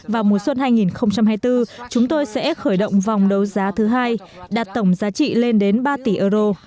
vào mùa xuân hai nghìn hai mươi bốn chúng tôi sẽ khởi động vòng đấu giá thứ hai đạt tổng giá trị lên đến ba tỷ euro